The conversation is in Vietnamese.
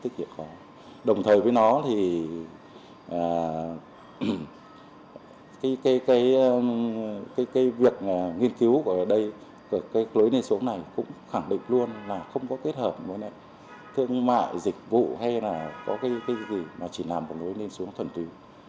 cái việc nghiên cứu của lối lên xuống này cũng khẳng định luôn là không có kết hợp với thương mại dịch vụ hay là có cái gì mà chỉ làm một lối lên xuống thuần tùy